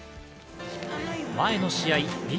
前の試合